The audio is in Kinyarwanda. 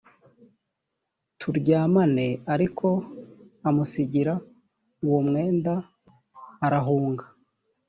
turyamane ariko amusigira uwo mwenda arahunga